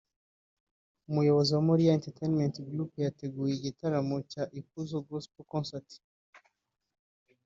umuyobozi wa Moriah Entertainment Group yateguye igitaramo cya Ikuzo Gospel Concert